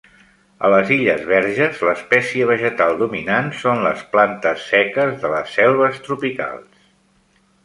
A les Illes Verges, l'espècie vegetal dominant són les plantes seques de les selves tropicals.